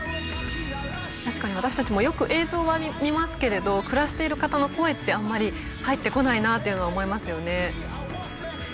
確かに私たちもよく映像は見ますけれど暮らしている方の声ってあんまり入ってこないなっていうのは思いますよね。